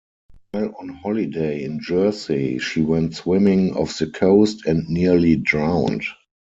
While on holiday in Jersey she went swimming off the coast and nearly drowned.